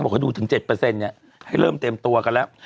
เขาบอกว่าดูถึง๗นี่ให้เริ่มเต็มตัวกันแล้ว